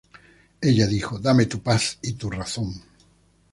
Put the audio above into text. Ella dijo: ¡Dame tu paz y tu razón!